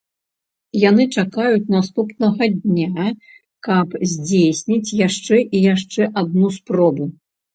Яны чакаюць наступнага дня, каб здзейсніць яшчэ і яшчэ адну спробу.